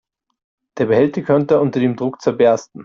Der Behälter könnte unter dem Druck zerbersten.